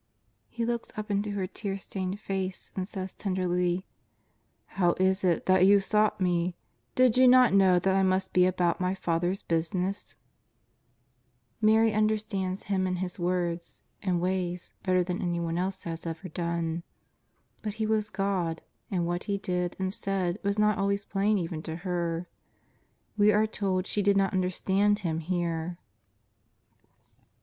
He looks up into her tear stained face and says tenderly: " How is it that you sought Me ; did you not know that I must be about My Father's business ?" Mary understood Him and His words and ways bet ter than any other has ever done. But He was God, and what He did and said was not always plain even to her. We are told she did not understand Him here.